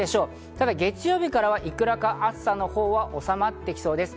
ただ、月曜日からはいくらか暑さのほうは収まってきそうです。